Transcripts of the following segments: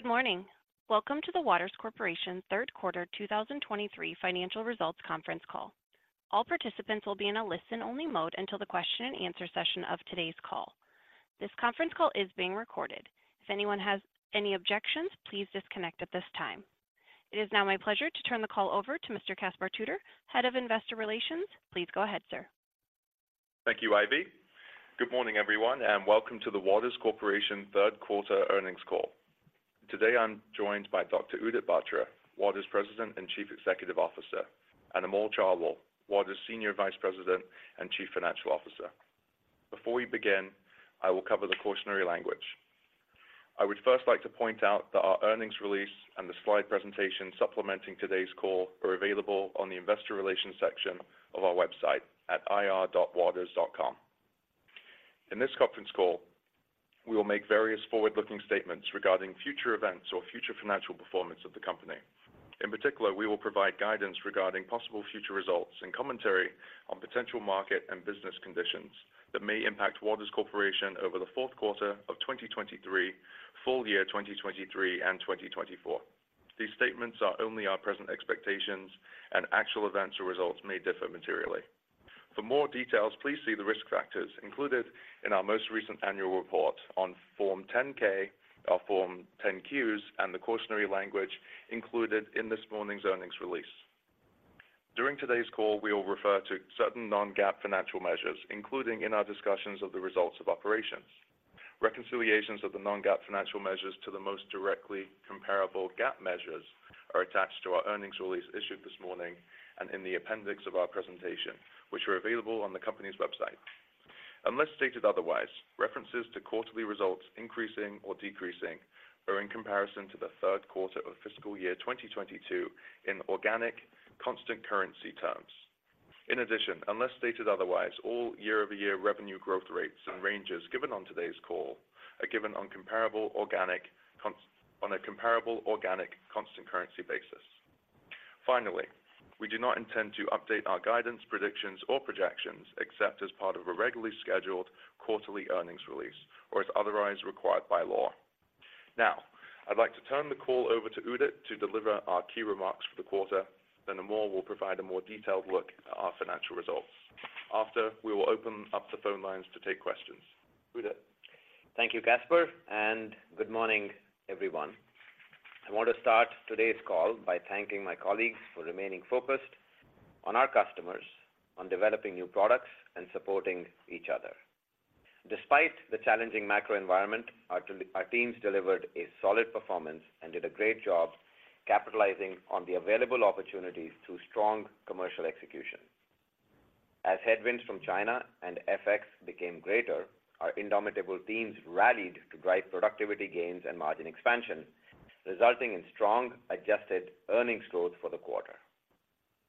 Good morning. Welcome to the Waters Corporation third quarter 2023 financial results conference call. All participants will be in a listen-only mode until the question-and-answer session of today's call. This conference call is being recorded. If anyone has any objections, please disconnect at this time. It is now my pleasure to turn the call over to Mr. Caspar Tudor, Head of Investor Relations. Please go ahead, sir. Thank you, Ivy. Good morning, everyone, and welcome to the Waters Corporation third quarter earnings call. Today, I'm joined by Dr. Udit Batra, Waters President and Chief Executive Officer, and Amol Chaubal, Waters Senior Vice President and Chief Financial Officer. Before we begin, I will cover the cautionary language. I would first like to point out that our earnings release and the slide presentation supplementing today's call are available on the investor relations section of our website at ir.waters.com. In this conference call, we will make various forward-looking statements regarding future events or future financial performance of the company. In particular, we will provide guidance regarding possible future results and commentary on potential market and business conditions that may impact Waters Corporation over the fourth quarter of 2023, full year 2023, and 2024. These statements are only our present expectations, and actual events or results may differ materially. For more details, please see the risk factors included in our most recent annual report on Form 10-K, our Form 10-Qs, and the cautionary language included in this morning's earnings release. During today's call, we will refer to certain non-GAAP financial measures, including in our discussions of the results of operations. Reconciliations of the non-GAAP financial measures to the most directly comparable GAAP measures are attached to our earnings release issued this morning and in the appendix of our presentation, which are available on the company's website. Unless stated otherwise, references to quarterly results increasing or decreasing are in comparison to the third quarter of fiscal year 2022 in organic, constant currency terms. In addition, unless stated otherwise, all year-over-year revenue growth rates and ranges given on today's call are given on a comparable organic, constant currency basis. Finally, we do not intend to update our guidance, predictions, or projections except as part of a regularly scheduled quarterly earnings release or as otherwise required by law. Now, I'd like to turn the call over to Udit to deliver our key remarks for the quarter. Then Amol will provide a more detailed look at our financial results. After, we will open up the phone lines to take questions. Udit? Thank you, Caspar, and good morning, everyone. I want to start today's call by thanking my colleagues for remaining focused on our customers, on developing new products and supporting each other. Despite the challenging macro environment, our teams delivered a solid performance and did a great job capitalizing on the available opportunities through strong commercial execution. As headwinds from China and FX became greater, our indomitable teams rallied to drive productivity gains and margin expansion, resulting in strong adjusted earnings growth for the quarter.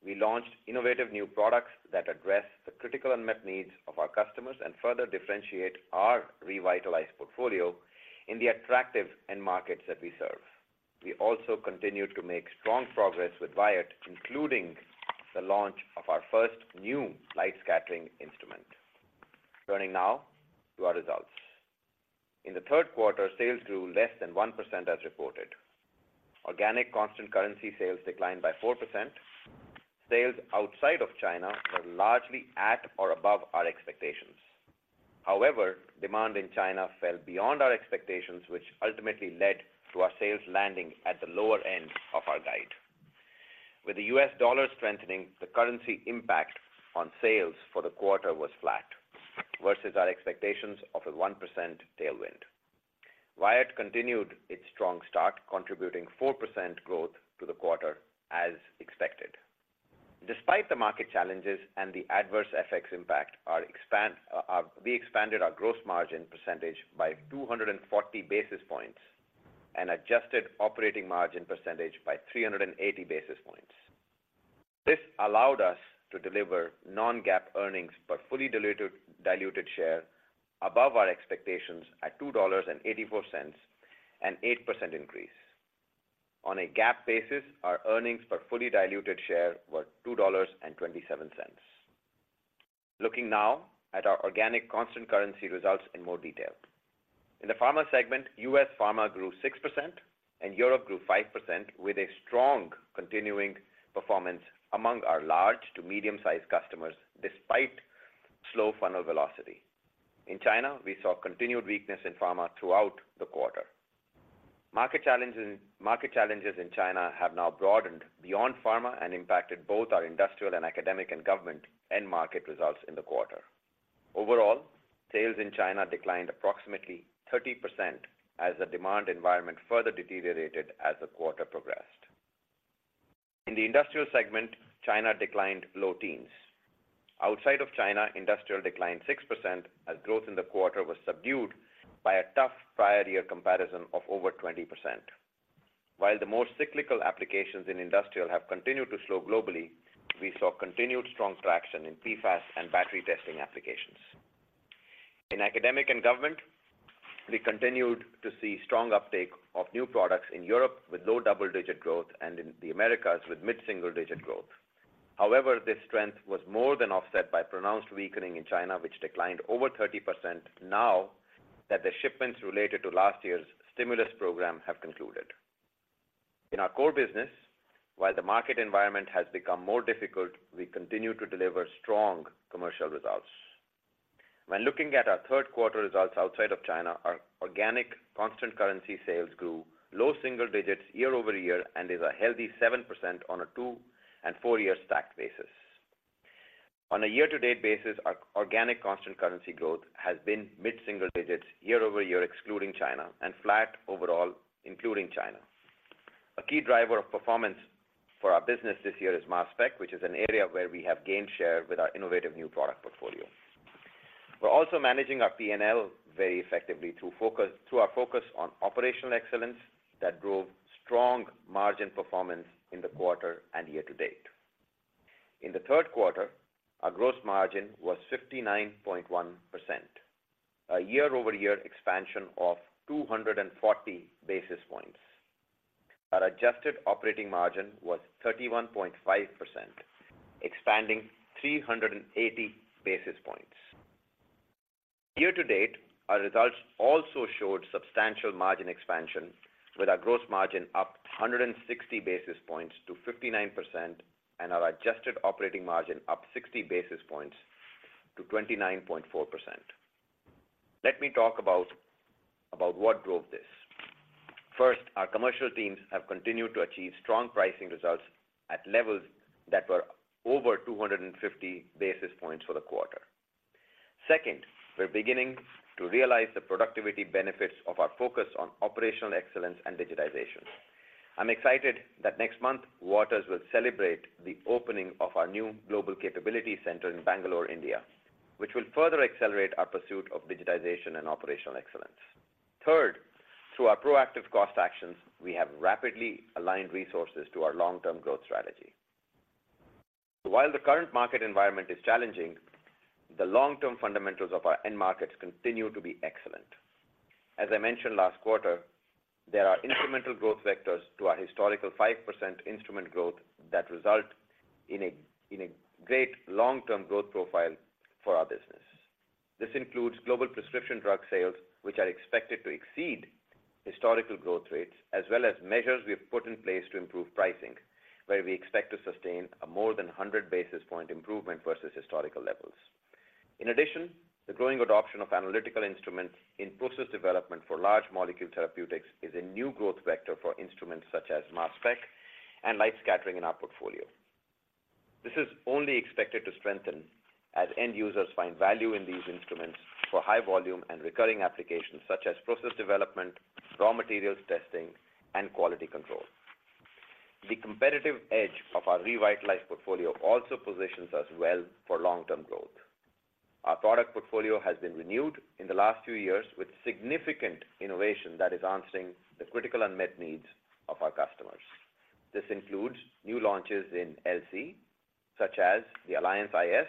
We launched innovative new products that address the critical unmet needs of our customers and further differentiate our revitalized portfolio in the attractive end markets that we serve. We also continued to make strong progress with Wyatt, including the launch of our first new light scattering instrument. Turning now to our results. In the third quarter, sales grew less than 1% as reported. Organic constant currency sales declined by 4%. Sales outside of China were largely at or above our expectations. However, demand in China fell beyond our expectations, which ultimately led to our sales landing at the lower end of our guide. With the US dollar strengthening, the currency impact on sales for the quarter was flat versus our expectations of a 1% tailwind. Wyatt continued its strong start, contributing 4% growth to the quarter as expected. Despite the market challenges and the adverse FX impact, we expanded our gross margin percentage by 240 basis points and adjusted operating margin percentage by 380 basis points. This allowed us to deliver non-GAAP earnings per fully diluted share above our expectations at $2.84, an 8% increase. On a GAAP basis, our earnings per fully diluted share were $2.27. Looking now at our organic constant currency results in more detail. In the pharma segment, U.S. pharma grew 6% and Europe grew 5%, with a strong continuing performance among our large to medium-sized customers, despite slow funnel velocity. In China, we saw continued weakness in pharma throughout the quarter. Market challenges, market challenges in China have now broadened beyond pharma and impacted both our industrial and academic and government end market results in the quarter. Overall, sales in China declined approximately 30% as the demand environment further deteriorated as the quarter progressed. In the industrial segment, China declined low teens. Outside of China, industrial declined 6%, as growth in the quarter was subdued by a tough prior year comparison of over 20%. While the more cyclical applications in industrial have continued to slow globally, we saw continued strong traction in PFAS and battery testing applications. In academic and government, we continued to see strong uptake of new products in Europe, with low double-digit growth and in the Americas with mid-single digit growth. However, this strength was more than offset by pronounced weakening in China, which declined over 30% now that the shipments related to last year's stimulus program have concluded. In our core business, while the market environment has become more difficult, we continue to deliver strong commercial results. When looking at our third quarter results outside of China, our organic constant currency sales grew low single digits year-over-year, and is a healthy 7% on a 2- and 4-year stacked basis. On a year-to-date basis, our organic constant currency growth has been mid single digits year-over-year, excluding China, and flat overall, including China. A key driver of performance for our business this year is Mass Spec, which is an area where we have gained share with our innovative new product portfolio. We're also managing our P&L very effectively through our focus on operational excellence, that drove strong margin performance in the quarter and year-to-date. In the third quarter, our gross margin was 59.1%, a year-over-year expansion of 240 basis points. Our adjusted operating margin was 31.5%, expanding 380 basis points. Year-to-date, our results also showed substantial margin expansion, with our gross margin up 160 basis points to 59%, and our adjusted operating margin up 60 basis points to 29.4%. Let me talk about what drove this. First, our commercial teams have continued to achieve strong pricing results at levels that were over 250 basis points for the quarter. Second, we're beginning to realize the productivity benefits of our focus on operational excellence and digitization. I'm excited that next month, Waters will celebrate the opening of our new global capability center in Bangalore, India, which will further accelerate our pursuit of digitization and operational excellence. Third, through our proactive cost actions, we have rapidly aligned resources to our long-term growth strategy. While the current market environment is challenging, the long-term fundamentals of our end markets continue to be excellent. As I mentioned last quarter, there are incremental growth vectors to our historical 5% instrument growth that result in a great long-term growth profile for our business. This includes global prescription drug sales, which are expected to exceed historical growth rates, as well as measures we've put in place to improve pricing, where we expect to sustain a more than 100 basis point improvement versus historical levels. In addition, the growing adoption of analytical instruments in process development for large molecule therapeutics, is a new growth vector for instruments such as Mass Spec and light scattering in our portfolio. This is only expected to strengthen as end users find value in these instruments for high volume and recurring applications such as process development, raw materials testing, and quality control. The competitive edge of our revitalized portfolio also positions us well for long-term growth. Our product portfolio has been renewed in the last few years with significant innovation that is answering the critical unmet needs of our customers. This includes new launches in LC, such as the Alliance iS,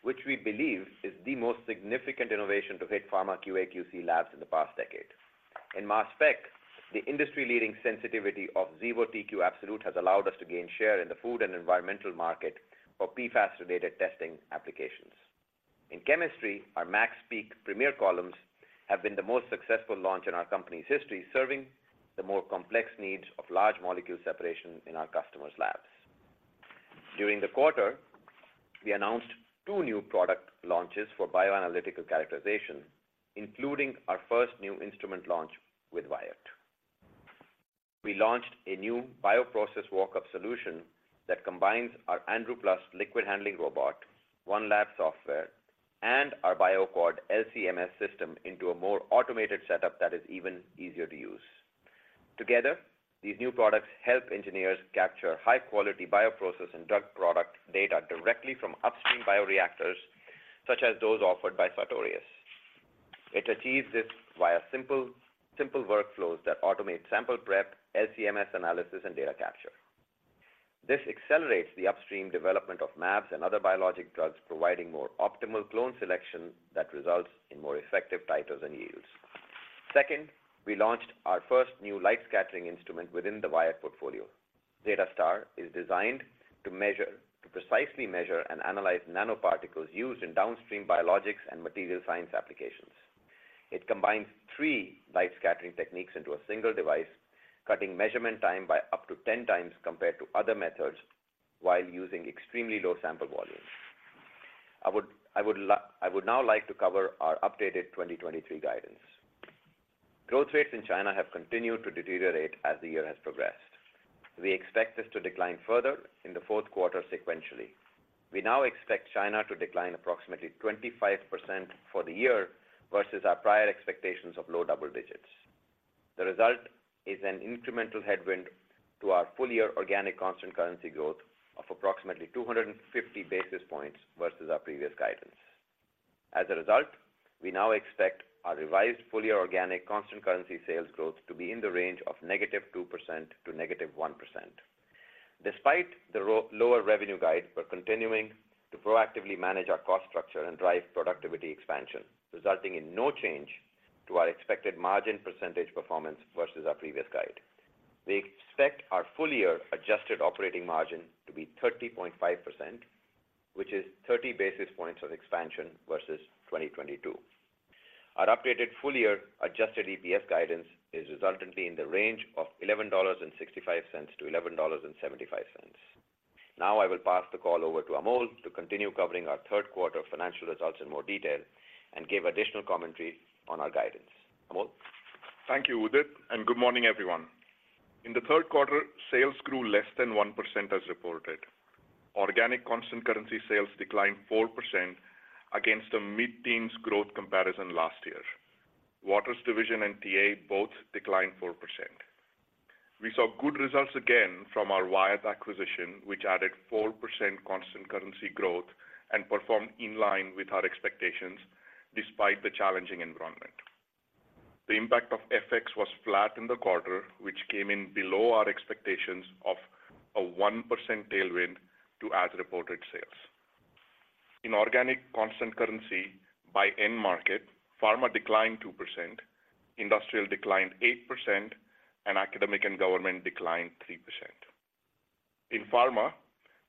which we believe is the most significant innovation to hit pharma QA/QC labs in the past decade. In Mass Spec, the industry-leading sensitivity of Xevo TQ Absolute has allowed us to gain share in the food and environmental market for PFAS-related testing applications. In chemistry, our MaxPeak Premier Columns have been the most successful launch in our company's history, serving the more complex needs of large molecule separation in our customers' labs. During the quarter, we announced two new product launches for bioanalytical characterization, including our first new instrument launch with Wyatt. We launched a new bioprocess walk-up solution that combines our Andrew+ liquid handling robot, OneLab software, and our BioAccord LC-MS system into a more automated setup that is even easier to use. Together, these new products help engineers capture high-quality bioprocess and drug product data directly from upstream bioreactors, such as those offered by Sartorius. It achieves this via simple, simple workflows that automate sample prep, LC-MS analysis, and data capture. This accelerates the upstream development of mAbs and other biologic drugs, providing more optimal clone selection that results in more effective titles and yields. Second, we launched our first new light scattering instrument within the Wyatt portfolio. ZetaStar is designed to precisely measure and analyze nanoparticles used in downstream biologics and material science applications. It combines three light scattering techniques into a single device, cutting measurement time by up to 10 times compared to other methods, while using extremely low sample volumes. I would now like to cover our updated 2023 guidance. Growth rates in China have continued to deteriorate as the year has progressed. We expect this to decline further in the fourth quarter sequentially. We now expect China to decline approximately 25% for the year, versus our prior expectations of low double digits. The result is an incremental headwind to our full-year organic constant currency growth of approximately 250 basis points versus our previous guidance. As a result, we now expect our revised full-year organic constant currency sales growth to be in the range of -2% to -1%. Despite the lower revenue guide, we're continuing to proactively manage our cost structure and drive productivity expansion, resulting in no change to our expected margin percentage performance versus our previous guide. We expect our full-year adjusted operating margin to be 30.5%, which is 30 basis points of expansion versus 2022. Our updated full-year adjusted EPS guidance is resultantly in the range of $11.65-$11.75. Now I will pass the call over to Amol to continue covering our third quarter financial results in more detail and give additional commentary on our guidance. Amol? Thank you, Udit, and good morning, everyone. In the third quarter, sales grew less than 1% as reported. Organic constant currency sales declined 4% against a mid-teens growth comparison last year. Waters Division and TA both declined 4%. We saw good results again from our Wyatt acquisition, which added 4% constant currency growth and performed in line with our expectations despite the challenging environment. The impact of FX was flat in the quarter, which came in below our expectations of a 1% tailwind to as-reported sales. In organic constant currency by end market, pharma declined 2%, industrial declined 8%, and academic and government declined 3%. In pharma,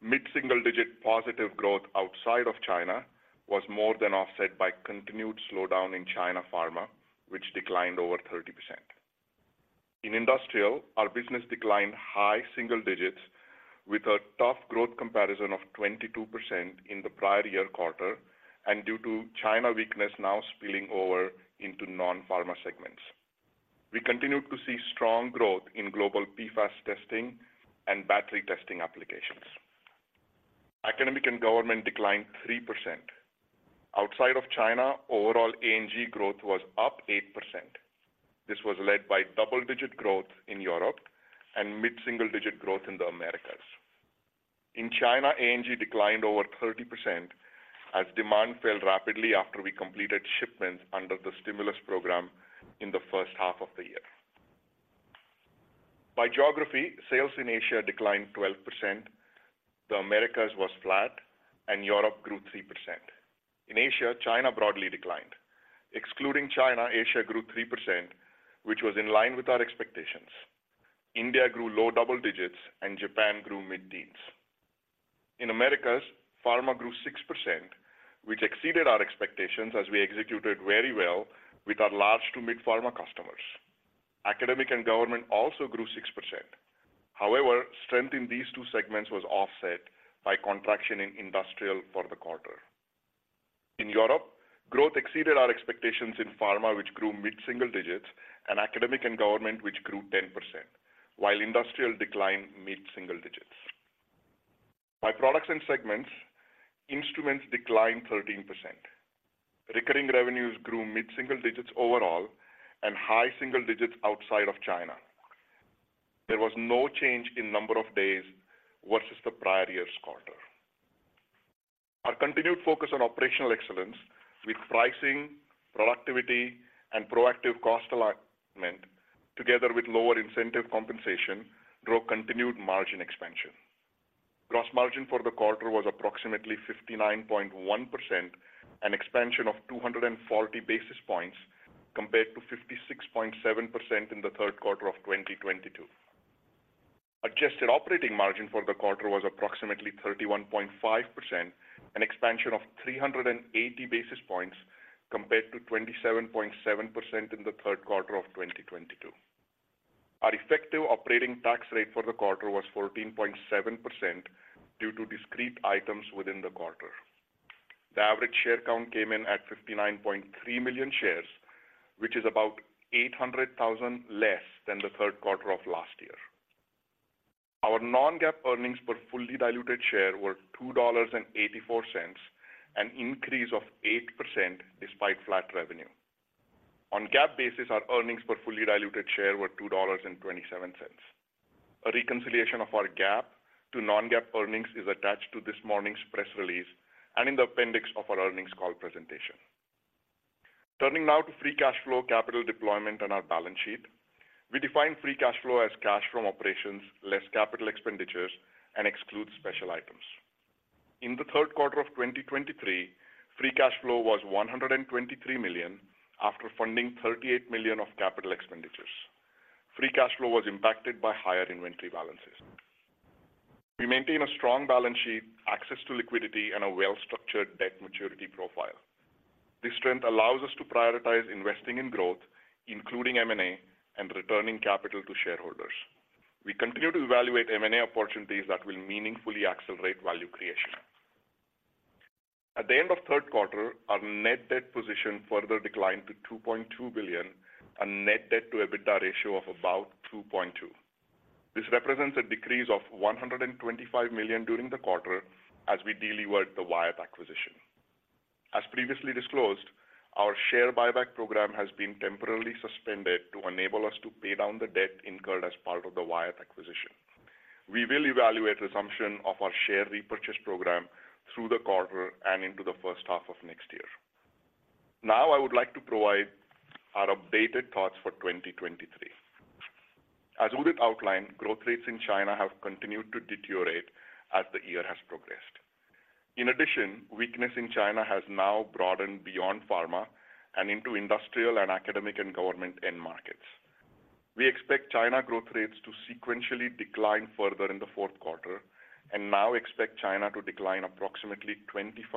mid-single-digit positive growth outside of China was more than offset by continued slowdown in China pharma, which declined over 30%. In industrial, our business declined high single digits with a tough growth comparison of 22% in the prior year quarter and due to China weakness now spilling over into non-pharma segments. We continued to see strong growth in global PFAS testing and battery testing applications. Academic and government declined 3%. Outside of China, overall A&G growth was up 8%. This was led by double-digit growth in Europe and mid-single-digit growth in the Americas. In China, A&G declined over 30% as demand fell rapidly after we completed shipments under the stimulus program in the first half of the year. By geography, sales in Asia declined 12%, the Americas was flat, and Europe grew 3%. In Asia, China broadly declined. Excluding China, Asia grew 3%, which was in line with our expectations. India grew low double digits and Japan grew mid-teens. In Americas, pharma grew 6%, which exceeded our expectations as we executed very well with our large to mid pharma customers. Academic and government also grew 6%. However, strength in these two segments was offset by contraction in industrial for the quarter. In Europe, growth exceeded our expectations in pharma, which grew mid-single digits, and academic and government, which grew 10%, while industrial declined mid-single digits. By products and segments, instruments declined 13%. Recurring revenues grew mid-single digits overall and high single digits outside of China. There was no change in number of days versus the prior year's quarter. Our continued focus on operational excellence with pricing, productivity, and proactive cost alignment, together with lower incentive compensation, drove continued margin expansion. Gross margin for the quarter was approximately 59.1%, an expansion of 240 basis points compared to 56.7% in the third quarter of 2022. Adjusted operating margin for the quarter was approximately 31.5%, an expansion of 380 basis points compared to 27.7% in the third quarter of 2022. Our effective operating tax rate for the quarter was 14.7% due to discrete items within the quarter. The average share count came in at 59.3 million shares, which is about 800,000 less than the third quarter of last year. Our non-GAAP earnings per fully diluted share were $2.84, an increase of 8% despite flat revenue. On GAAP basis, our earnings per fully diluted share were $2.27. A reconciliation of our GAAP to non-GAAP earnings is attached to this morning's press release and in the appendix of our earnings call presentation. Turning now to free cash flow, capital deployment, and our balance sheet. We define free cash flow as cash from operations less capital expenditures and excludes special items. In the third quarter of 2023, free cash flow was $123 million, after funding $38 million of capital expenditures. Free cash flow was impacted by higher inventory balances. We maintain a strong balance sheet, access to liquidity, and a well-structured debt maturity profile. This strength allows us to prioritize investing in growth, including M&A, and returning capital to shareholders. We continue to evaluate M&A opportunities that will meaningfully accelerate value creation. At the end of the third quarter, our net debt position further declined to $2.2 billion, a net debt to EBITDA ratio of about 2.2. This represents a decrease of $125 million during the quarter as we delevered the Wyatt acquisition. As previously disclosed, our share buyback program has been temporarily suspended to enable us to pay down the debt incurred as part of the Wyatt acquisition. We will evaluate resumption of our share repurchase program through the quarter and into the first half of next year. Now, I would like to provide our updated thoughts for 2023.... As Udit outlined, growth rates in China have continued to deteriorate as the year has progressed. In addition, weakness in China has now broadened beyond pharma and into industrial and academic and government end markets. We expect China growth rates to sequentially decline further in the fourth quarter and now expect China to decline approximately 25%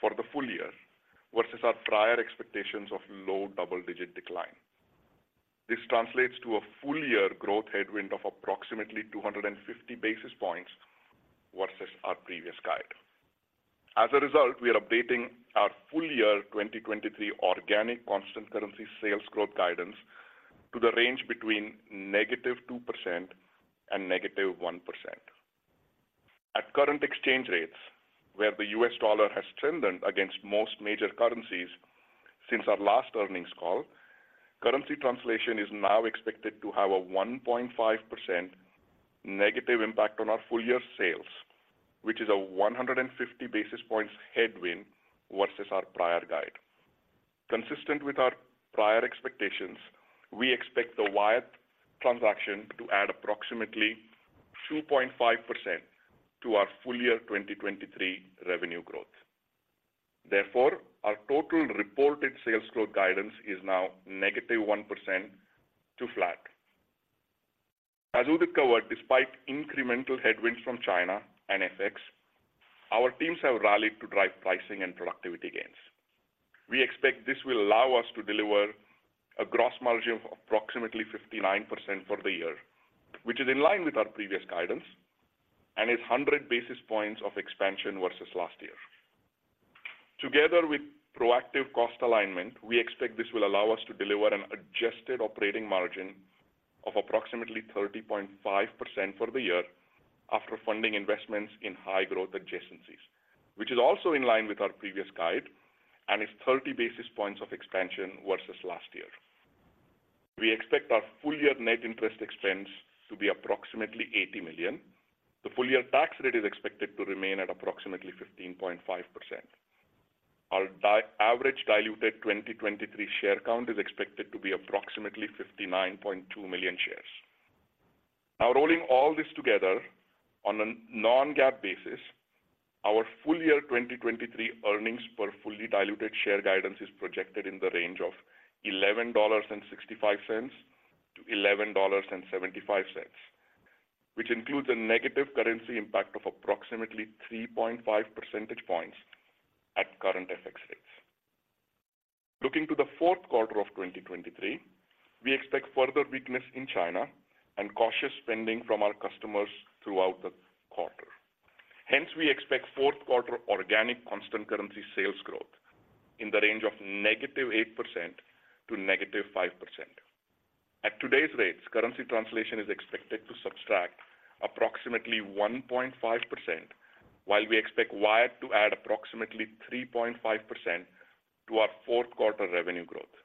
for the full year versus our prior expectations of low double-digit decline. This translates to a full-year growth headwind of approximately 250 basis points versus our previous guide. As a result, we are updating our full-year 2023 organic constant currency sales growth guidance to the range between -2% and -1%. At current exchange rates, where the US dollar has strengthened against most major currencies since our last earnings call, currency translation is now expected to have a 1.5% negative impact on our full-year sales, which is a 150 basis points headwind versus our prior guide. Consistent with our prior expectations, we expect the Wyatt transaction to add approximately 2.5% to our full-year 2023 revenue growth. Therefore, our total reported sales growth guidance is now negative 1% to flat. As Udit covered, despite incremental headwinds from China and FX, our teams have rallied to drive pricing and productivity gains. We expect this will allow us to deliver a gross margin of approximately 59% for the year, which is in line with our previous guidance and is 100 basis points of expansion versus last year. Together with proactive cost alignment, we expect this will allow us to deliver an adjusted operating margin of approximately 30.5% for the year after funding investments in high-growth adjacencies, which is also in line with our previous guide and is 30 basis points of expansion versus last year. We expect our full-year net interest expense to be approximately $80 million. The full-year tax rate is expected to remain at approximately 15.5%. Our average diluted 2023 share count is expected to be approximately 59.2 million shares. Now, rolling all this together, on a non-GAAP basis, our full-year 2023 earnings per fully diluted share guidance is projected in the range of $11.65-$11.75, which includes a negative currency impact of approximately 3.5 percentage points at current FX rates. Looking to the fourth quarter of 2023, we expect further weakness in China and cautious spending from our customers throughout the quarter. Hence, we expect fourth quarter organic constant currency sales growth in the range of -8% to -5%. At today's rates, currency translation is expected to subtract approximately 1.5%, while we expect Wyatt to add approximately 3.5% to our fourth quarter revenue growth.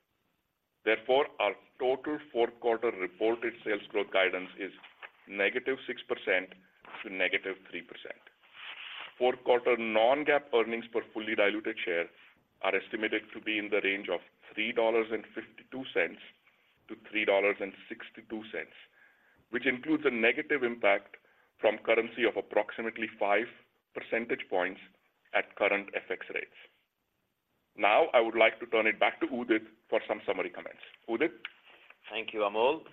Therefore, our total fourth quarter reported sales growth guidance is -6% to -3%. Fourth quarter non-GAAP earnings per fully diluted share are estimated to be in the range of $3.52-$3.62, which includes a negative impact from currency of approximately five percentage points at current FX rates. Now I would like to turn it back to Udit for some summary comments. Udit? Thank you, Amol.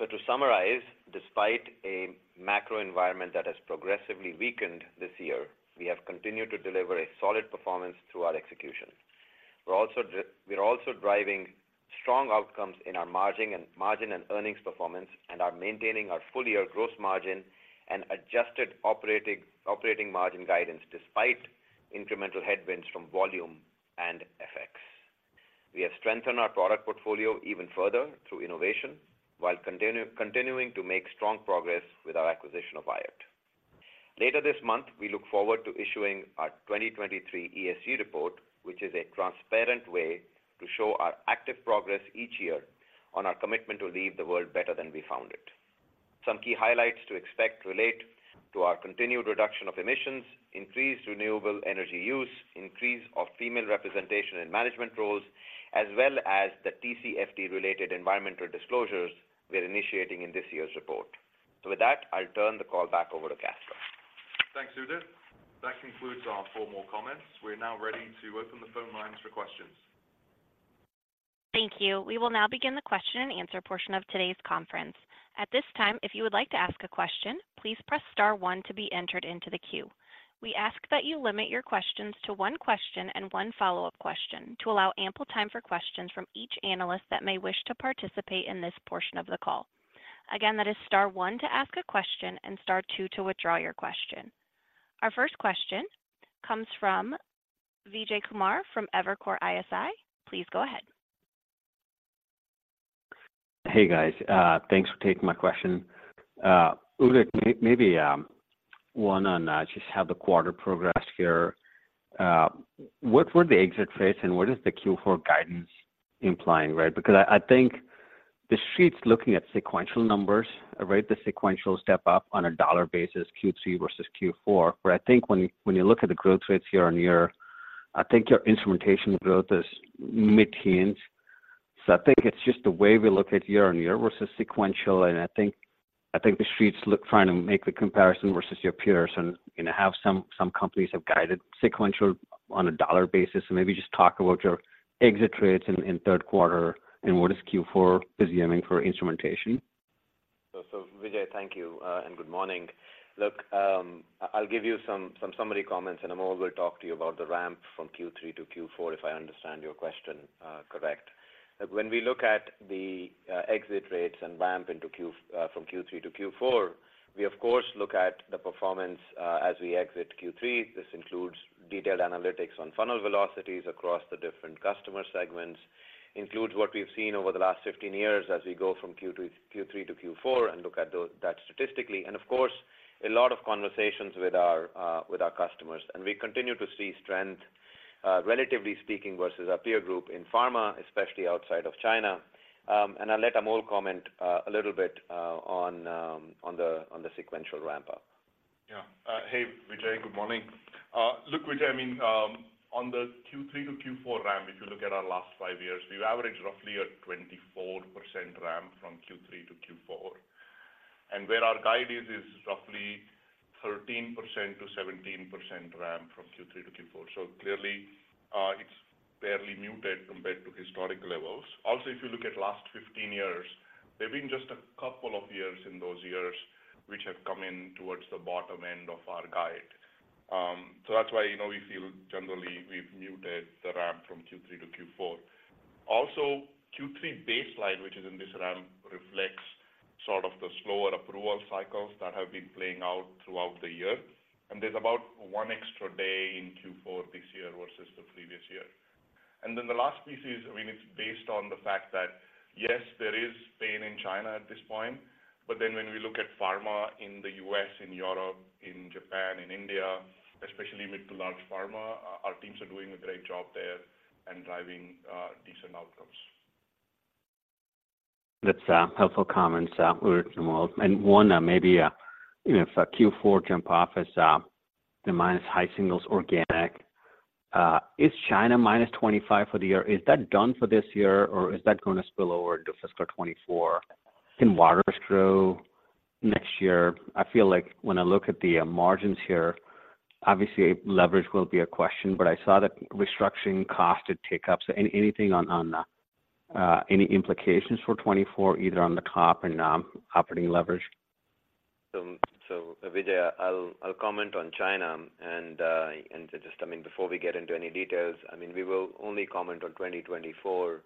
So to summarize, despite a macro environment that has progressively weakened this year, we have continued to deliver a solid performance through our execution. We're also driving strong outcomes in our margin and earnings performance and are maintaining our full-year gross margin and adjusted operating margin guidance despite incremental headwinds from volume and FX. We have strengthened our product portfolio even further through innovation, while continuing to make strong progress with our acquisition of Wyatt. Later this month, we look forward to issuing our 2023 ESG report, which is a transparent way to show our active progress each year on our commitment to leave the world better than we found it. Some key highlights to expect relate to our continued reduction of emissions, increased renewable energy use, increase of female representation in management roles, as well as the TCFD-related environmental disclosures we are initiating in this year's report. So with that, I'll turn the call back over to Caspar. Thanks, Udit. That concludes our formal comments. We're now ready to open the phone lines for questions. Thank you. We will now begin the question-and-answer portion of today's conference. At this time, if you would like to ask a question, please press star one to be entered into the queue. We ask that you limit your questions to one question and one follow-up question to allow ample time for questions from each analyst that may wish to participate in this portion of the call. Again, that is star one to ask a question and star two to withdraw your question. Our first question comes from Vijay Kumar from Evercore ISI. Please go ahead. Hey, guys, thanks for taking my question. Udit, one on just how the quarter progressed here. What were the exit rates and what is the Q4 guidance implying, right? Because I think the Street's looking at sequential numbers, right? The sequential step up on a dollar basis, Q3 versus Q4, where I think you look at the growth rates year-on-year...... I think your instrumentation growth is mid-teens. So I think it's just the way we look at year-on-year versus sequential, and I think the Street's looking trying to make the comparison versus your peers, and, you know, how some companies have guided sequential on a dollar basis. So maybe just talk about your exit rates in third quarter, and what Q4 is aiming for instrumentation. So, Vijay, thank you, and good morning. Look, I'll give you some summary comments, and Amol will talk to you about the ramp from Q3 to Q4, if I understand your question, correct. When we look at the exit rates and ramp into Q4 from Q3 to Q4, we, of course, look at the performance as we exit Q3. This includes detailed analytics on funnel velocities across the different customer segments, includes what we've seen over the last 15 years as we go from Q to Q3 to Q4, and look at that statistically. And of course, a lot of conversations with our customers. And we continue to see strength, relatively speaking, versus our peer group in pharma, especially outside of China. And I'll let Amol comment a little bit on the sequential ramp-up. Yeah. Hey, Vijay, good morning. Look, Vijay, I mean, on the Q3 to Q4 ramp, if you look at our last 5 years, we've averaged roughly a 24% ramp from Q3 to Q4. And where our guide is, is roughly 13%-17% ramp from Q3 to Q4. So clearly, it's barely muted compared to historic levels. Also, if you look at last 15 years, there have been just a couple of years in those years which have come in towards the bottom end of our guide. So that's why, you know, we feel generally we've muted the ramp from Q3 to Q4. Also, Q3 baseline, which is in this ramp, reflects sort of the slower approval cycles that have been playing out throughout the year, and there's about 1 extra day in Q4 this year versus the previous year. Then the last piece is, I mean, it's based on the fact that, yes, there is pain in China at this point, but then when we look at pharma in the U.S., in Europe, in Japan, in India, especially with the large pharma, our teams are doing a great job there and driving decent outcomes. That's helpful comments, Vijay and Amol. One, maybe, you know, if a Q4 jump off is the minus high single digits organic, is China minus 25% for the year? Is that done for this year, or is that going to spill over into fiscal 2024? Can Waters grow next year? I feel like when I look at the margins here, obviously, leverage will be a question, but I saw the restructuring costs take up. So anything on any implications for 2024, either on the top end and operating leverage? So, Vijay, I'll comment on China, and just, I mean, before we get into any details, I mean, we will only comment on 2024,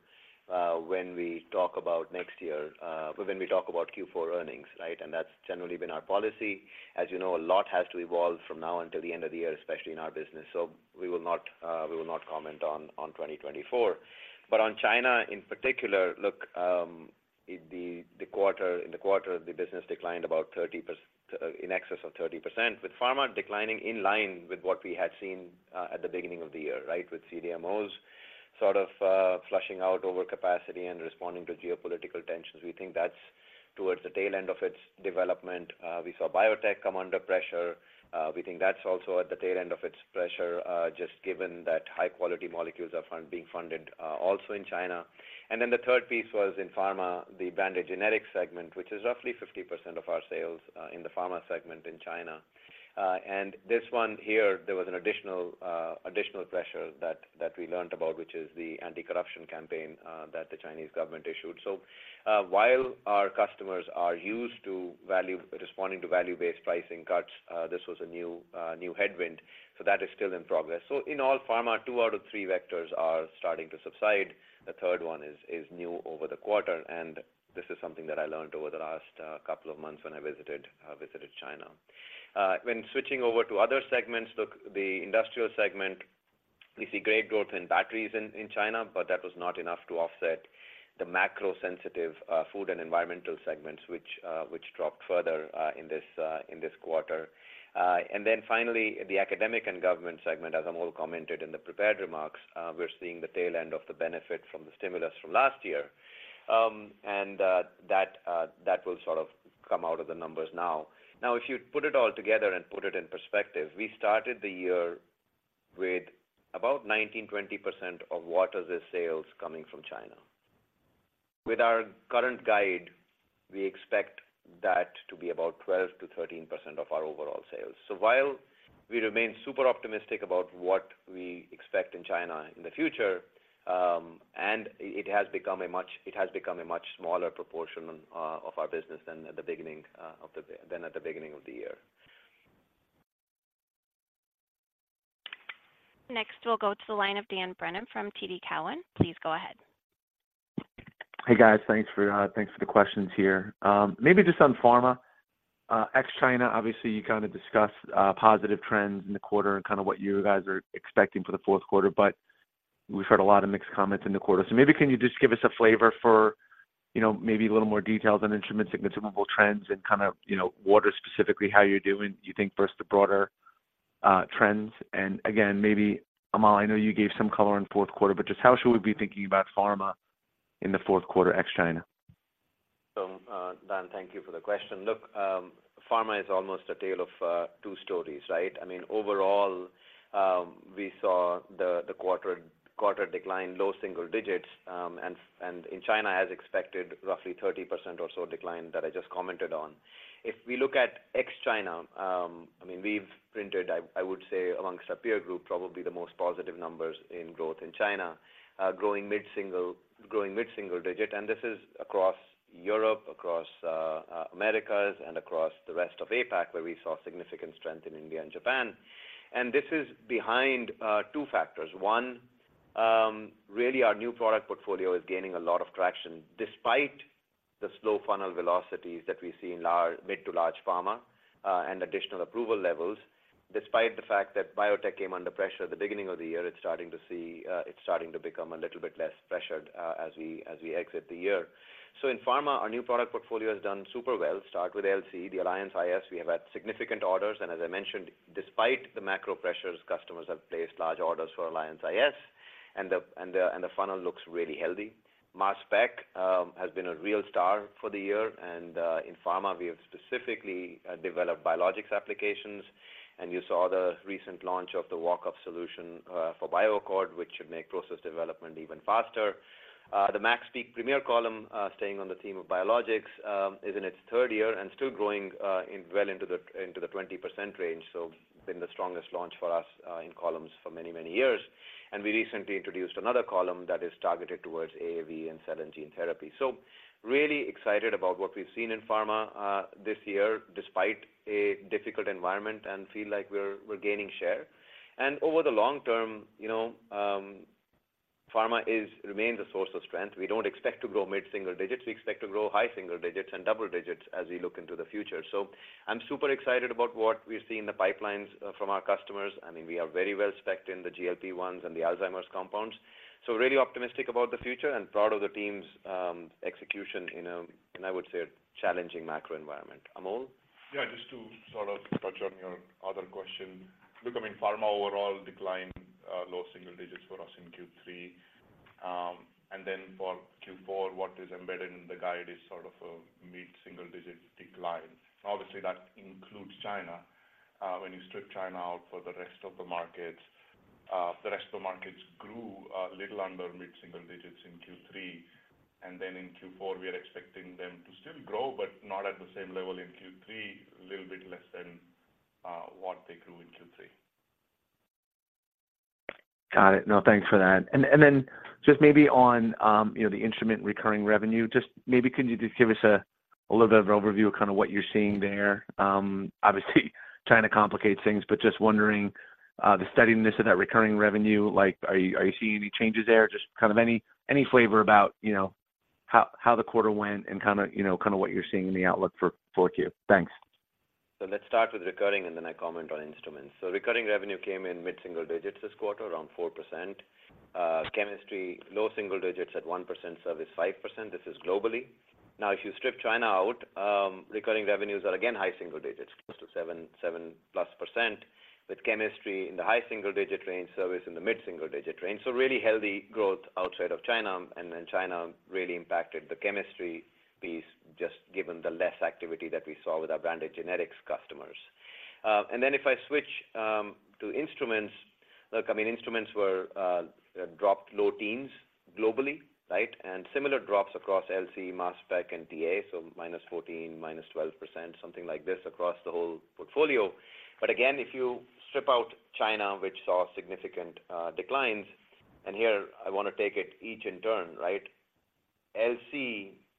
when we talk about next year, when we talk about Q4 earnings, right? And that's generally been our policy. As you know, a lot has to evolve from now until the end of the year, especially in our business. So we will not comment on 2024. But on China in particular, look, in the quarter, the business declined about 30%, in excess of 30%, with pharma declining in line with what we had seen at the beginning of the year, right? With CDMOs sort of flushing out overcapacity and responding to geopolitical tensions. We think that's towards the tail end of its development. We saw biotech come under pressure. We think that's also at the tail end of its pressure, just given that high-quality molecules are being funded, also in China. And then the third piece was in pharma, the branded generics segment, which is roughly 50% of our sales, in the pharma segment in China. And this one here, there was an additional pressure that we learned about, which is the anti-corruption campaign that the Chinese government issued. So, while our customers are used to responding to value-based pricing cuts, this was a new headwind, so that is still in progress. So in all, pharma, two out of three vectors are starting to subside. The third one is new over the quarter, and this is something that I learned over the last couple of months when I visited China. When switching over to other segments, look, the industrial segment, we see great growth in batteries in China, but that was not enough to offset the macro-sensitive food and environmental segments, which dropped further in this quarter. And then finally, the academic and government segment, as Amol commented in the prepared remarks, we're seeing the tail end of the benefit from the stimulus from last year. And that will sort of come out of the numbers now. Now, if you put it all together and put it in perspective, we started the year with about 19%-20% of Waters' sales coming from China. With our current guide, we expect that to be about 12%-13% of our overall sales. So while we remain super optimistic about what we expect in China in the future, and it has become a much smaller proportion of our business than at the beginning of the year. Next, we'll go to the line of Dan Brennan from TD Cowen. Please go ahead. Hey, guys. Thanks for the questions here. Maybe just on pharma, ex-China, obviously, you kind of discussed positive trends in the quarter and kind of what you guys are expecting for the fourth quarter, but we've heard a lot of mixed comments in the quarter. So maybe can you just give us a flavor for, you know, maybe a little more detail on instruments and consumable trends and kind of, you know, Waters specifically, how you're doing, you think versus the broader trends? And again, maybe, Amol, I know you gave some color on fourth quarter, but just how should we be thinking about pharma in the fourth quarter, ex-China?... So, Dan, thank you for the question. Look, pharma is almost a tale of two stories, right? I mean, overall, we saw the quarter decline, low single digits, and in China, as expected, roughly 30% or so decline that I just commented on. If we look at ex-China, I mean, we've printed, I would say, amongst our peer group, probably the most positive numbers in growth in China. Growing mid-single digit, and this is across Europe, across Americas, and across the rest of APAC, where we saw significant strength in India and Japan. And this is behind two factors. One, really, our new product portfolio is gaining a lot of traction despite the slow funnel velocities that we see in large mid-to-large pharma, and additional approval levels. Despite the fact that biotech came under pressure at the beginning of the year, it's starting to see, it's starting to become a little bit less pressured, as we, as we exit the year. So in pharma, our new product portfolio has done super well, start with LC, the Alliance iS, we have had significant orders, and as I mentioned, despite the macro pressures, customers have placed large orders for Alliance iS, and the, and the, and the funnel looks really healthy. Mass spec has been a real star for the year, and in pharma, we have specifically developed biologics applications, and you saw the recent launch of the walk-up solution for BioAccord, which should make process development even faster. The MaxPeak Premier Column, staying on the theme of biologics, is in its third year and still growing well into the 20% range. So it's been the strongest launch for us in columns for many, many years. We recently introduced another column that is targeted towards AAV and cell and gene therapy. Really excited about what we've seen in pharma this year, despite a difficult environment, and feel like we're gaining share. Over the long term, you know, pharma remains a source of strength. We don't expect to grow mid-single digits. We expect to grow high single digits and double digits as we look into the future. I'm super excited about what we see in the pipelines from our customers. I mean, we are very well-positioned in the GLP-1s and the Alzheimer's compounds. So really optimistic about the future and proud of the team's execution in a, and I would say, a challenging macro environment. Amol? Yeah, just to sort of touch on your other question. Look, I mean, pharma overall declined low single digits for us in Q3. And then for Q4, what is embedded in the guide is sort of a mid-single digit decline. Obviously, that includes China. When you strip China out for the rest of the markets, the rest of the markets grew little under mid-single digits in Q3, and then in Q4, we are expecting them to still grow, but not at the same level in Q3, a little bit less than what they grew in Q3. Got it. No, thanks for that. And then just maybe on, you know, the instrument recurring revenue, just maybe could you just give us a little bit of an overview of kind of what you're seeing there? Obviously, trying to complicate things, but just wondering the steadiness of that recurring revenue, like, are you seeing any changes there? Just kind of any flavor about, you know, how the quarter went and kind of, you know, kind of what you're seeing in the outlook for fourth year. Thanks. So let's start with recurring, and then I comment on instruments. So recurring revenue came in mid-single digits this quarter, around 4%. Chemistry, low single digits at 1%, service, 5%. This is globally. Now, if you strip China out, recurring revenues are again, high single digits, close to 7, 7+%, with chemistry in the high single-digit range, service in the mid-single digit range. So really healthy growth outside of China, and then China really impacted the chemistry piece, just given the less activity that we saw with our branded genetics customers. And then if I switch to instruments, look, I mean, instruments were dropped low teens globally, right? And similar drops across LC, mass spec, and TA, so -14, -12%, something like this, across the whole portfolio. But again, if you strip out China, which saw significant declines, and here I want to take it each in turn, right? LC,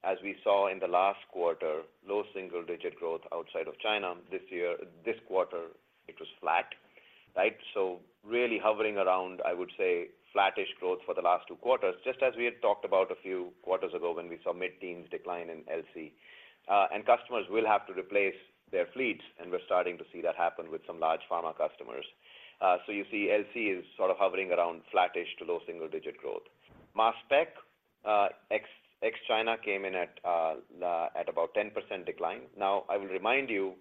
as we saw in the last quarter, low single-digit growth outside of China this year... This quarter, it was flat, right? So really hovering around, I would say, flattish growth for the last two quarters, just as we had talked about a few quarters ago when we saw mid-teens decline in LC. And customers will have to replace their fleets, and we're starting to see that happen with some large pharma customers. So you see, LC is sort of hovering around flattish to low single-digit growth. Mass spec, ex-China, came in at about 10% decline. Now, I will remind you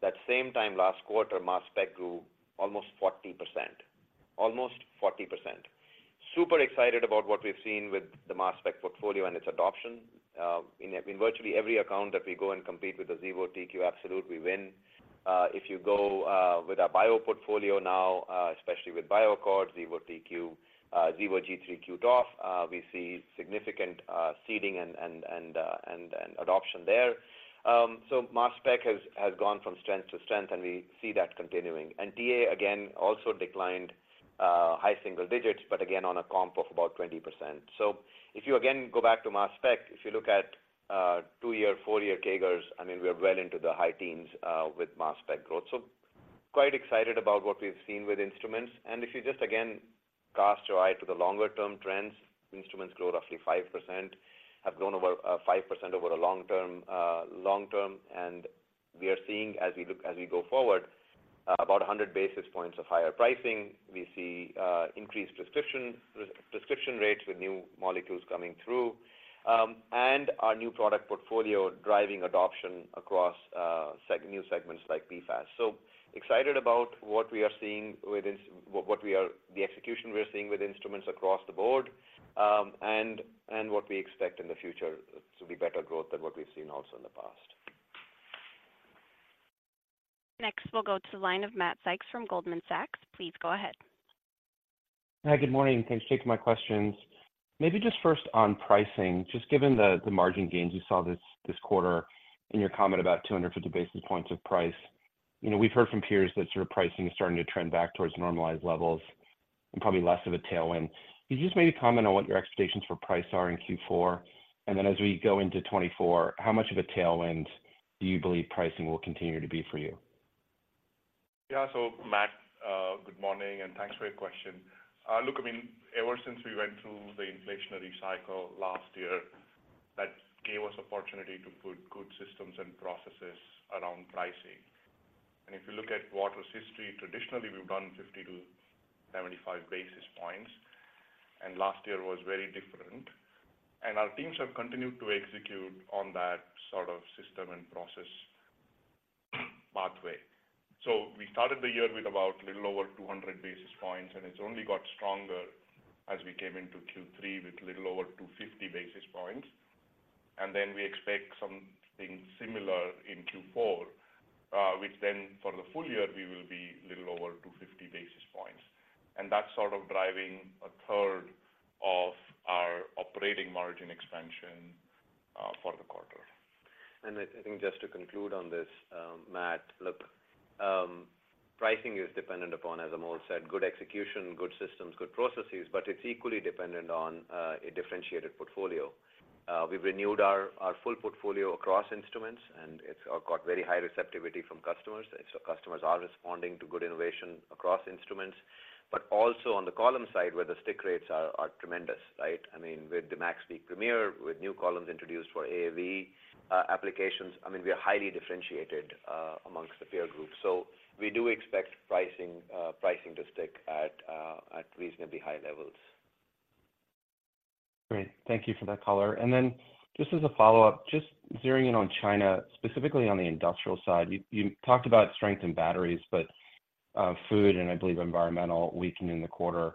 that same time last quarter, mass spec grew almost 40%. Almost 40%. Super excited about what we've seen with the mass spec portfolio and its adoption. In virtually every account that we go and compete with the Xevo TQ Absolute, we win. If you go with our bio portfolio now, especially with BioAccord, Xevo TQ, Xevo G3 QTof, we see significant seeding and adoption there. So mass spec has gone from strength to strength, and we see that continuing. TA again also declined high single digits, but again, on a comp of about 20%. So if you again go back to mass spec, if you look at two-year, four-year CAGRs, I mean, we are well into the high teens with mass spec growth. So quite excited about what we've seen with instruments. If you just, again, cast your eye to the longer-term trends, instruments grow roughly 5%, have grown over 5% over a long term, long term, and we are seeing as we go forward, about 100 basis points of higher pricing. We see increased prescription rates with new molecules coming through, and our new product portfolio driving adoption across new segments like PFAS. So excited about what we are seeing, the execution we are seeing with instruments across the board, and what we expect in the future to be better growth than what we've seen also in the past.... Next, we'll go to the line of Matt Sykes from Goldman Sachs. Please go ahead. Hi, good morning, and thanks for taking my questions. Maybe just first on pricing, just given the margin gains you saw this quarter and your comment about 250 basis points of price. You know, we've heard from peers that sort of pricing is starting to trend back towards normalized levels and probably less of a tailwind. Can you just maybe comment on what your expectations for price are in Q4? And then as we go into 2024, how much of a tailwind do you believe pricing will continue to be for you? Yeah. So, Matt, good morning, and thanks for your question. Look, I mean, ever since we went through the inflationary cycle last year, that gave us opportunity to put good systems and processes around pricing. And if you look at Waters' history, traditionally, we've done 50-75 basis points, and last year was very different. And our teams have continued to execute on that sort of system and process pathway. So we started the year with about a little over 200 basis points, and it's only got stronger as we came into Q3 with a little over 250 basis points. And then we expect something similar in Q4, which then for the full year, we will be a little over 250 basis points. And that's sort of driving a third of our operating margin expansion, for the quarter. And I, I think just to conclude on this, Matt. Look, pricing is dependent upon, as Amol said, good execution, good systems, good processes, but it's equally dependent on a differentiated portfolio. We've renewed our full portfolio across instruments, and it's got very high receptivity from customers. So customers are responding to good innovation across instruments, but also on the column side, where the stick rates are tremendous, right? I mean, with the MaxPeak Premier, with new columns introduced for AAV applications, I mean, we are highly differentiated amongst the peer groups. So we do expect pricing to stick at reasonably high levels. Great. Thank you for that color. And then just as a follow-up, just zeroing in on China, specifically on the industrial side, you talked about strength in batteries, but food, and I believe environmental weakened in the quarter.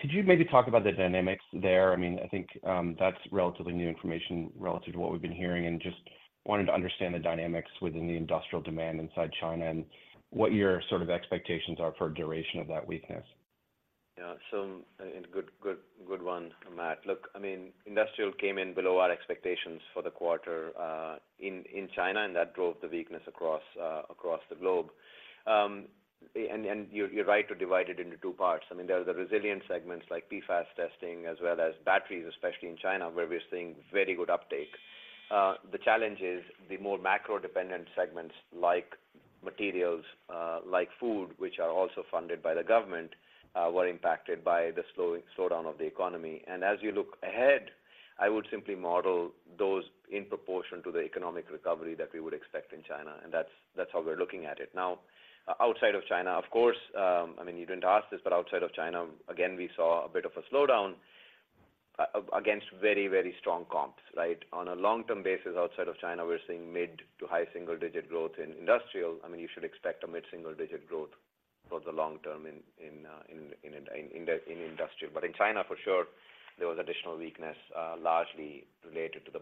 Could you maybe talk about the dynamics there? I mean, I think that's relatively new information relative to what we've been hearing, and just wanted to understand the dynamics within the industrial demand inside China and what your sort of expectations are for duration of that weakness. Yeah. So, and good, good, good one, Matt. Look, I mean, industrial came in below our expectations for the quarter in China, and that drove the weakness across the globe. And you're right to divide it into two parts. I mean, there are the resilient segments like PFAS testing, as well as batteries, especially in China, where we're seeing very good uptake. The challenge is the more macro-dependent segments like materials, like food, which are also funded by the government, were impacted by the slowdown of the economy. And as you look ahead, I would simply model those in proportion to the economic recovery that we would expect in China, and that's how we're looking at it. Now, outside of China, of course, I mean, you didn't ask this, but outside of China, again, we saw a bit of a slowdown against very, very strong comps, right? On a long-term basis, outside of China, we're seeing mid- to high single-digit growth in industrial. I mean, you should expect a mid-single digit growth for the long term in industrial. But in China, for sure, there was additional weakness, largely related to the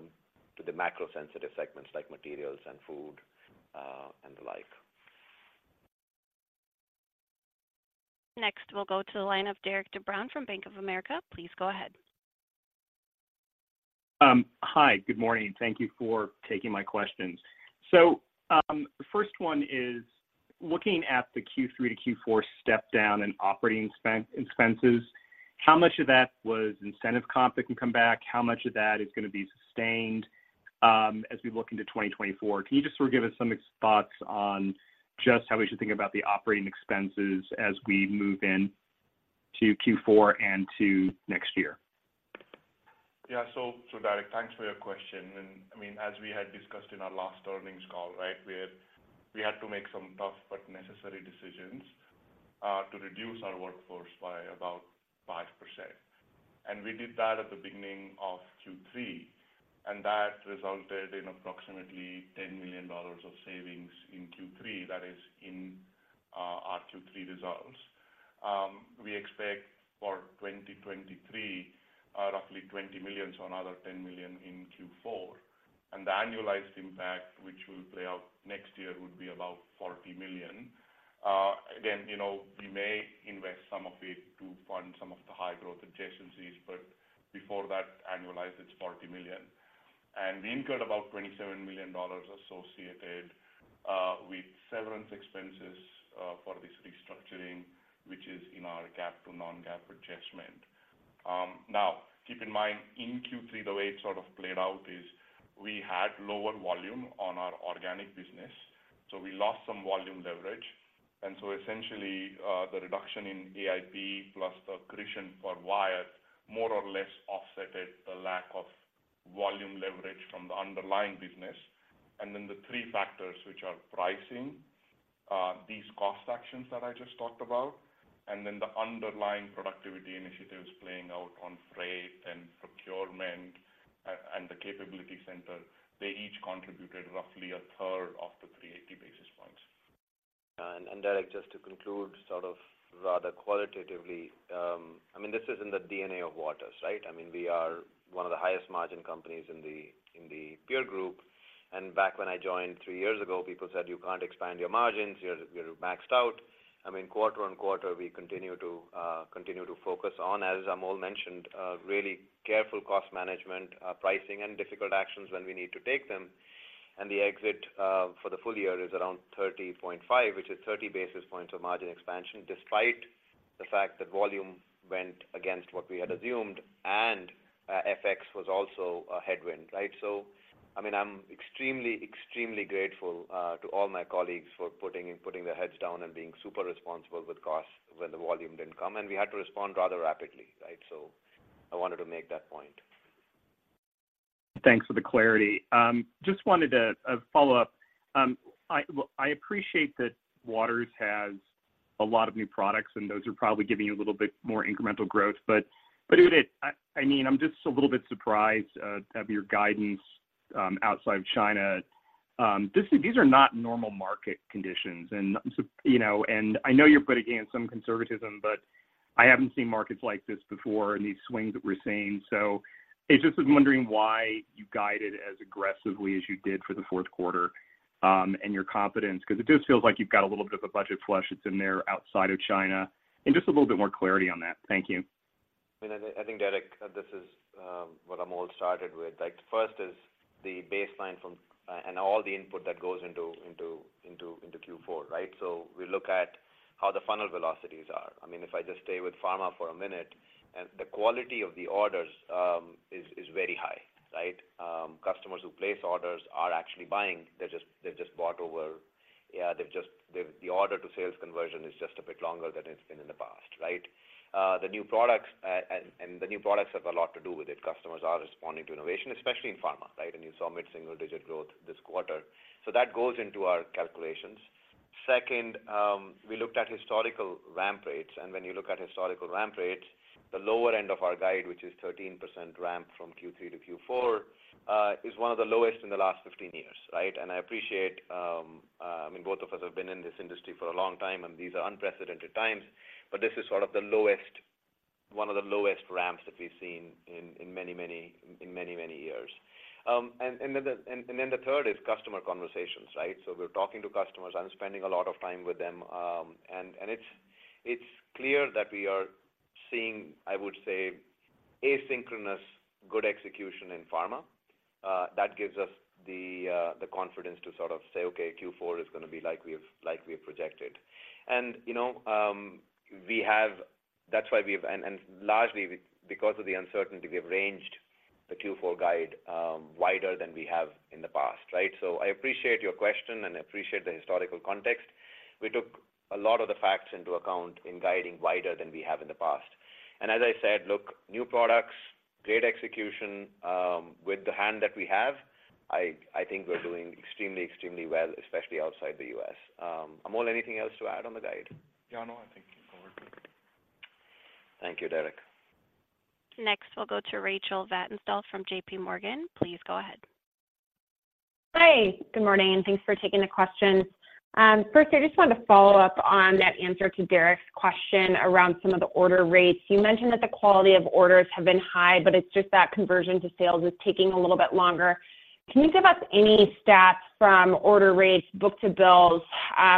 macro-sensitive segments, like materials and food, and the like. Next, we'll go to the line of Derik de Bruin from Bank of America. Please go ahead. Hi, good morning. Thank you for taking my questions. So, the first one is: looking at the Q3 to Q4 step down in operating expenses, how much of that was incentive comp that can come back? How much of that is going to be sustained, as we look into 2024? Can you just sort of give us some thoughts on just how we should think about the operating expenses as we move into Q4 and to next year? Yeah. So, so Derik, thanks for your question. And I mean, as we had discussed in our last earnings call, right, we had, we had to make some tough but necessary decisions, to reduce our workforce by about 5%. And we did that at the beginning of Q3, and that resulted in approximately $10 million of savings in Q3. That is in, our Q3 results. We expect for 2023, roughly $20 million, so another $10 million in Q4. And the annualized impact, which will play out next year, would be about $40 million. Again, you know, we may invest some of it to fund some of the high-growth adjacencies, but before that, annualized, it's $40 million. And we incurred about $27 million associated, with severance expenses, for this restructuring, which is in our GAAP to non-GAAP adjustment. Now, keep in mind, in Q3, the way it sort of played out is we had lower volume on our organic business, so we lost some volume leverage. And so essentially, the reduction in AIP plus the accretion for Wyatt more or less offset the lack of volume leverage from the underlying business. And then the three factors, which are pricing, these cost actions that I just talked about, and then the underlying productivity initiatives playing out on freight and procurement, and the capability center, they each contributed roughly a third of the 380 basis points.... And Derik, just to conclude, sort of rather qualitatively, I mean, this is in the DNA of Waters, right? I mean, we are one of the highest margin companies in the peer group. And back when I joined three years ago, people said, "You can't expand your margins. You're maxed out." I mean, quarter-on-quarter, we continue to focus on, as Amol mentioned, a really careful cost management, pricing, and difficult actions when we need to take them. And the exit for the full year is around 30.5, which is 30 basis points of margin expansion, despite the fact that volume went against what we had assumed, and FX was also a headwind, right? So, I mean, I'm extremely, extremely grateful to all my colleagues for putting their heads down and being super responsible with costs when the volume didn't come. And we had to respond rather rapidly, right? So I wanted to make that point. Thanks for the clarity. Just wanted to follow up. Well, I appreciate that Waters has a lot of new products, and those are probably giving you a little bit more incremental growth. But, Udit, I mean, I'm just a little bit surprised at your guidance outside of China. These are not normal market conditions. And, so, you know, and I know you're putting in some conservatism, but I haven't seen markets like this before and these swings that we're seeing. So I just was wondering why you guided as aggressively as you did for the fourth quarter, and your confidence? Because it just feels like you've got a little bit of a budget flush that's in there outside of China, and just a little bit more clarity on that. Thank you. I mean, I think, Derik, this is what Amol started with. Like, first is the baseline from and all the input that goes into Q4, right? So we look at how the funnel velocities are. I mean, if I just stay with pharma for a minute, and the quality of the orders is very high, right? Customers who place orders are actually buying, they're just the order to sales conversion is just a bit longer than it's been in the past, right? The new products have a lot to do with it. Customers are responding to innovation, especially in pharma, right? And you saw mid-single-digit growth this quarter. So that goes into our calculations. Second, we looked at historical ramp rates, and when you look at historical ramp rates, the lower end of our guide, which is 13% ramp from Q3 to Q4, is one of the lowest in the last 15 years, right? And I appreciate... I mean, both of us have been in this industry for a long time, and these are unprecedented times, but this is sort of the lowest- one of the lowest ramps that we've seen in, in many, many, in many, many years. And then the third is customer conversations, right? So we're talking to customers. I'm spending a lot of time with them. And it's clear that we are seeing, I would say, asynchronous good execution in pharma. That gives us the confidence to sort of say, "Okay, Q4 is going to be like we have projected." And, you know, that's why we have. And largely because of the uncertainty, we've ranged the Q4 guide wider than we have in the past, right? So I appreciate your question, and I appreciate the historical context. We took a lot of the facts into account in guiding wider than we have in the past. And as I said, look, new products, great execution with the hand that we have, I think we're doing extremely well, especially outside the U.S. Amol, anything else to add on the guide? Yeah, no, I think you covered it. Thank you, Derik. Next, we'll go to Rachel Vatnsdal from J.P. Morgan. Please go ahead. Hi. Good morning, and thanks for taking the questions. First, I just wanted to follow up on that answer to Derik's question around some of the order rates. You mentioned that the quality of orders have been high, but it's just that conversion to sales is taking a little bit longer. Can you give us any stats from order rates, book to bills,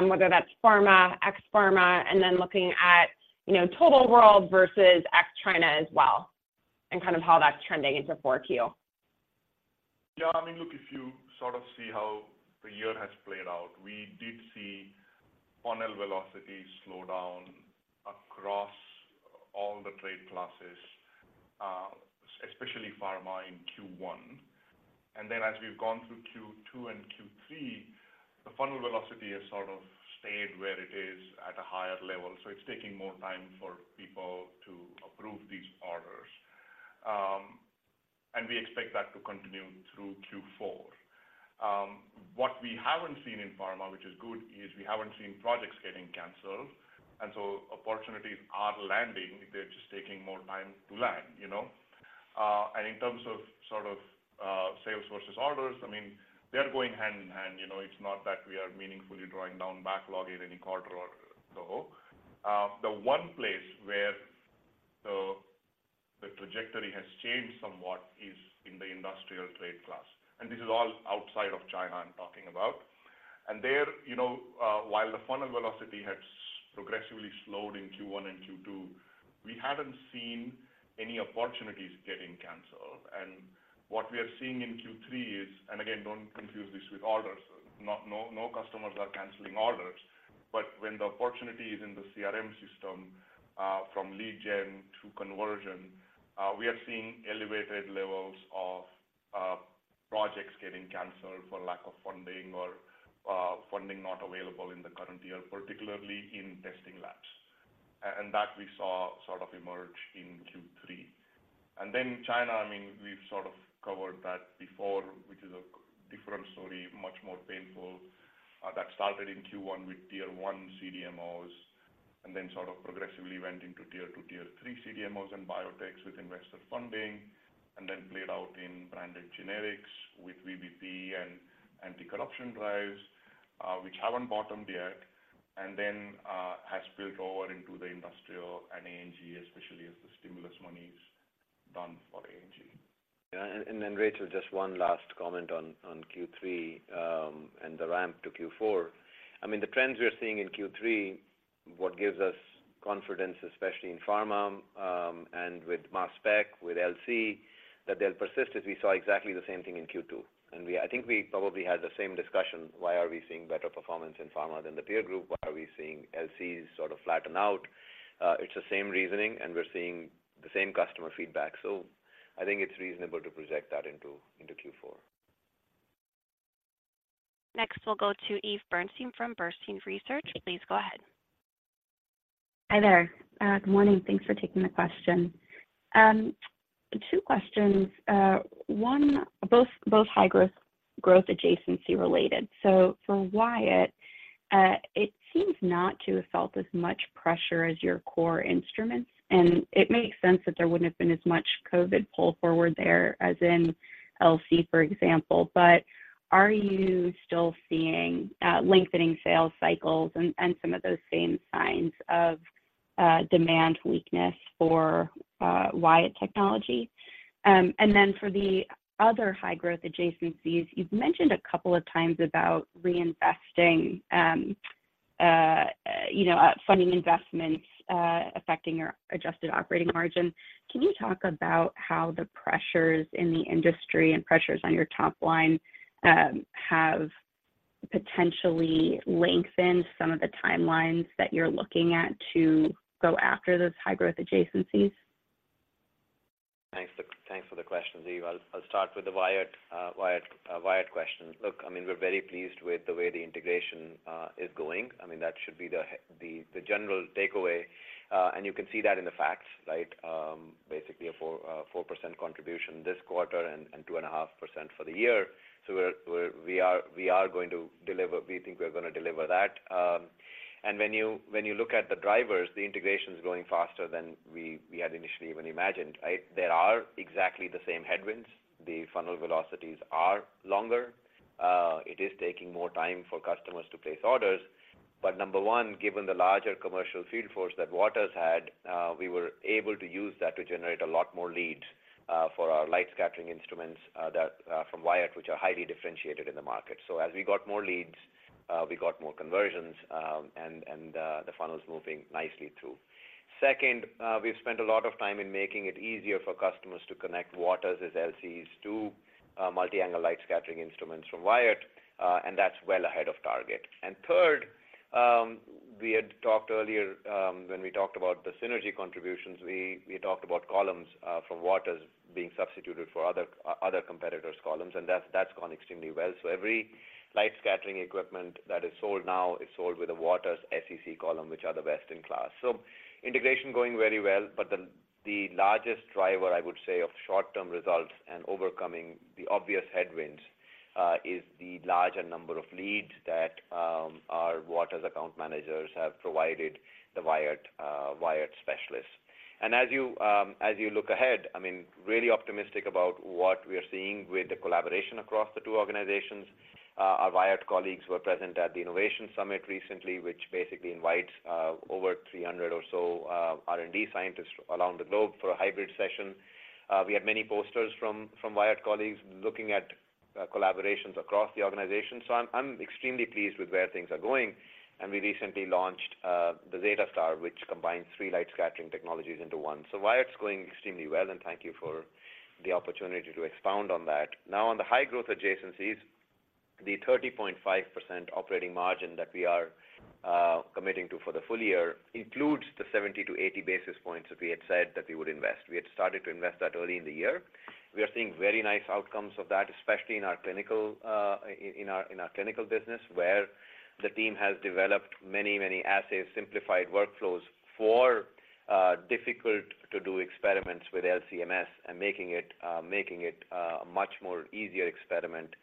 whether that's pharma, ex-pharma, and then looking at, you know, total world versus ex-China as well, and kind of how that's trending into 4Q? Yeah, I mean, look, if you sort of see how the year has played out, we did see funnel velocity slow down across all the trade classes, especially pharma in Q1. And then as we've gone through Q2 and Q3, the funnel velocity has sort of stayed where it is at a higher level, so it's taking more time for people to approve these orders. And we expect that to continue through Q4. What we haven't seen in pharma, which is good, is we haven't seen projects getting canceled, and so opportunities are landing, they're just taking more time to land, you know? And in terms of sort of, sales versus orders, I mean, they are going hand in hand. You know, it's not that we are meaningfully drawing down backlog in any quarter or so. The one place where the trajectory has changed somewhat is in the industrial trade class, and this is all outside of China, I'm talking about. And there, you know, while the funnel velocity has progressively slowed in Q1 and Q2, we haven't seen any opportunities getting canceled. And what we are seeing in Q3 is-- and again, don't confuse this with orders. Not-- no, no customers are canceling orders, but when the opportunity is in the CRM system, from lead gen to conversion, we are seeing elevated levels of projects getting canceled for lack of funding or funding not available in the current year, particularly in testing labs. And that we saw sort of emerge in Q3. And then China, I mean, we've sort of covered that before, which is a different story, much more painful. That started in Q1 with tier one CDMOs, and then sort of progressively went into tier two, tier three CDMOs and biotechs with investor funding, and then played out in branded generics with VBP and anti-corruption drives, which haven't bottomed yet. And then has spilled over into the industrial and ANG, especially as the stimulus money is done for ANG. Yeah, and then Rachel, just one last comment on Q3 and the ramp to Q4. I mean, the trends we are seeing in Q3, what gives us confidence, especially in pharma and with mass spec, with LC, that they'll persist, as we saw exactly the same thing in Q2. And we, I think we probably had the same discussion, why are we seeing better performance in pharma than the peer group? Why are we seeing LCs sort of flatten out? It's the same reasoning, and we're seeing the same customer feedback. So I think it's reasonable to project that into Q4. Next, we'll go to Eve Burstein from Bernstein Research. Please go ahead. Hi there. Good morning. Thanks for taking the question. Two questions. Both high growth, growth adjacency related. So for Wyatt, it seems not to have felt as much pressure as your core instruments, and it makes sense that there wouldn't have been as much COVID pull forward there as in LC, for example. But are you still seeing lengthening sales cycles and some of those same signs of demand weakness for Wyatt Technology? And then for the other high growth adjacencies, you've mentioned a couple of times about reinvesting, you know, funding investments affecting your adjusted operating margin. Can you talk about how the pressures in the industry and pressures on your top line have potentially lengthened some of the timelines that you're looking at to go after those high growth adjacencies? Thanks for the question, Eve. I'll start with the Wyatt question. Look, I mean, we're very pleased with the way the integration is going. I mean, that should be the general takeaway, and you can see that in the facts, right? Basically a 4% contribution this quarter and 2.5% for the year. So we're going to deliver that. We think we're gonna deliver that. And when you look at the drivers, the integration is going faster than we had initially even imagined, right? There are exactly the same headwinds. The funnel velocities are longer. It is taking more time for customers to place orders. But number one, given the larger commercial field force that Waters had, we were able to use that to generate a lot more leads for our light scattering instruments that from Wyatt, which are highly differentiated in the market. So as we got more leads, we got more conversions, and the funnel's moving nicely through. Second, we've spent a lot of time in making it easier for customers to connect Waters' LCs to multi-angle light scattering instruments from Wyatt, and that's well ahead of target. And third, we had talked earlier, when we talked about the synergy contributions, we had talked about columns from Waters being substituted for other competitors' columns, and that's gone extremely well. So every light scattering equipment that is sold now is sold with a Waters SEC column, which are the best in class. So integration going very well, but the largest driver, I would say, of short-term results and overcoming the obvious headwinds is the larger number of leads that our Waters account managers have provided the Wyatt Wyatt specialists. And as you as you look ahead, I mean, really optimistic about what we are seeing with the collaboration across the two organizations. Our Wyatt colleagues were present at the Innovation Summit recently, which basically invites over 300 or so R&D scientists around the globe for a hybrid session. We had many posters from from Wyatt colleagues looking at collaborations across the organization. So I'm extremely pleased with where things are going. We recently launched the ZetaStar, which combines three light scattering technologies into one. So Wyatt's going extremely well, and thank you for the opportunity to expound on that. Now, on the high growth adjacencies, the 30.5% operating margin that we are committing to for the full year includes the 70-80 basis points that we had said that we would invest. We had started to invest that early in the year. We are seeing very nice outcomes of that, especially in our clinical business, where the team has developed many, many assays, simplified workflows for difficult to do experiments with LC-MS, and making it, making it, a much more easier experiment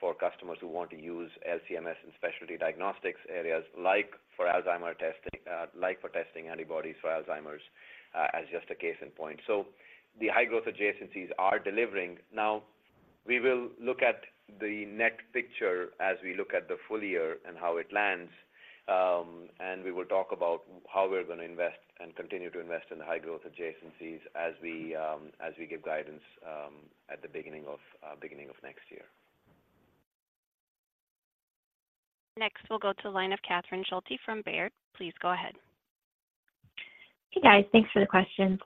for customers who want to use LC-MS in specialty diagnostics areas, like for Alzheimer's testing, like for testing antibodies for Alzheimer's, as just a case in point. So the high growth adjacencies are delivering. Now, we will look at the next picture as we look at the full year and how it lands, and we will talk about how we're going to invest and continue to invest in the high growth adjacencies as we, as we give guidance, at the beginning of, beginning of next year. Next, we'll go to the line of Catherine Schulte from Baird. Please go ahead. Hey, guys. Thanks for the questions.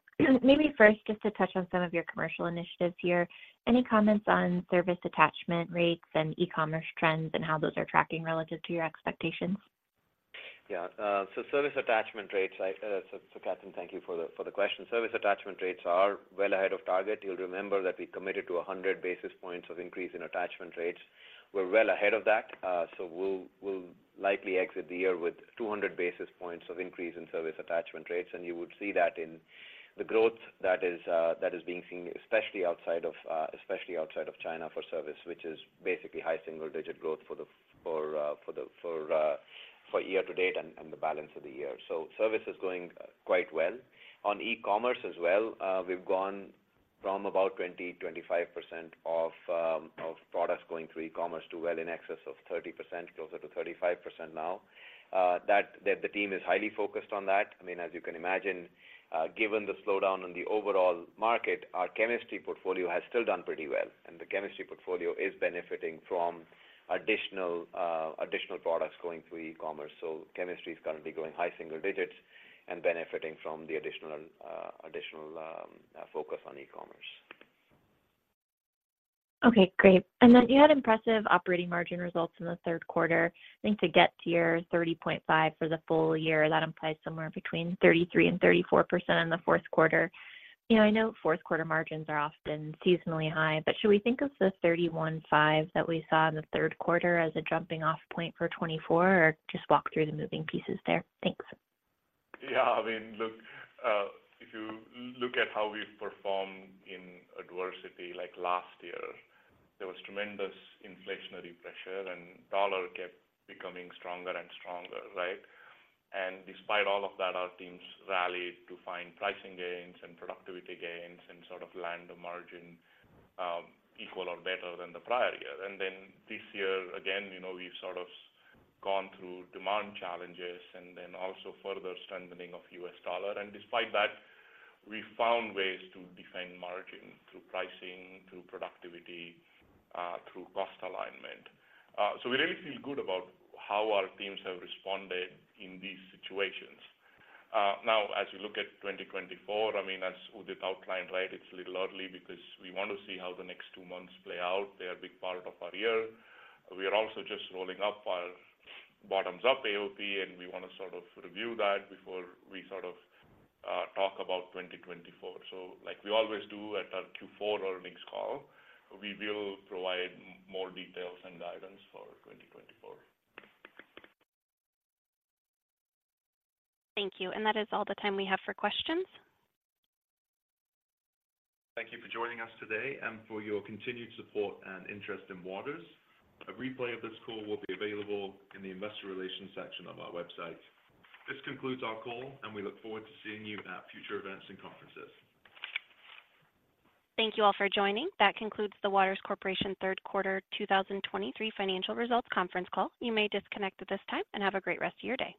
Maybe first, just to touch on some of your commercial initiatives here. Any comments on service attachment rates and e-commerce trends and how those are tracking relative to your expectations? Yeah, so service attachment rates, so Catherine, thank you for the question. Service attachment rates are well ahead of target. You'll remember that we committed to 100 basis points of increase in attachment rates. We're well ahead of that, so we'll likely exit the year with 200 basis points of increase in service attachment rates, and you would see that in the growth that is being seen, especially outside of China for service, which is basically high single-digit growth for the year to date and the balance of the year. So service is going quite well. On e-commerce as well, we've gone from about 20-25% of products going through e-commerce to well in excess of 30%, closer to 35% now. That the team is highly focused on that. I mean, as you can imagine, given the slowdown in the overall market, our chemistry portfolio has still done pretty well, and the chemistry portfolio is benefiting from additional, additional products going through e-commerce. So chemistry is currently growing high single digits and benefiting from the additional, additional focus on e-commerce. Okay, great. And then you had impressive operating margin results in the third quarter. I think to get to your 30.5% for the full year, that implies somewhere between 33% and 34% in the fourth quarter. You know, I know fourth quarter margins are often seasonally high, but should we think of the 31.5% that we saw in the third quarter as a jumping-off point for 2024, or just walk through the moving pieces there? Thanks. Yeah, I mean, look, if you look at how we've performed in adversity like last year, there was tremendous inflationary pressure, and the dollar kept becoming stronger and stronger, right? And despite all of that, our teams rallied to find pricing gains and productivity gains and sort of land a margin, equal or better than the prior year. And then this year, again, you know, we've sort of gone through demand challenges and then also further strengthening of the U.S. dollar. And despite that, we found ways to defend margin through pricing, through productivity, through cost alignment. So we really feel good about how our teams have responded in these situations. Now, as you look at 2024, I mean, as Udit outlined, right, it's a little early because we want to see how the next two months play out. They are a big part of our year. We are also just rolling up our bottoms-up AOP, and we wanna sort of review that before we sort of talk about 2024. So like we always do at our Q4 earnings call, we will provide more details and guidance for 2024. Thank you. That is all the time we have for questions. Thank you for joining us today and for your continued support and interest in Waters. A replay of this call will be available in the investor relations section of our website. This concludes our call, and we look forward to seeing you at future events and conferences. Thank you all for joining. That concludes the Waters Corporation third quarter 2023 financial results conference call. You may disconnect at this time, and have a great rest of your day.